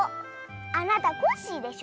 あなたコッシーでしょ。